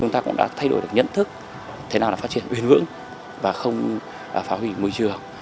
chúng ta cũng đã thay đổi được nhận thức thế nào là phát triển bền vững và không phá hủy môi trường